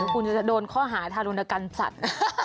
คุณจะโดนข้อหาทารุณกรรมสัตว์